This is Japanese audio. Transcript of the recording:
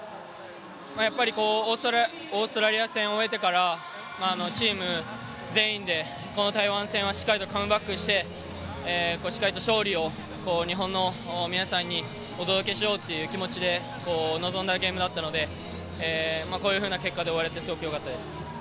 やっぱりオーストラリア戦を終えてから、チーム全員でこの台湾戦はしっかりとカムバックして、しっかり勝利を日本の皆さんにお届けしようという気持ちで臨んだゲームだったので、こういうふうな結果で終われてすごくよかったです。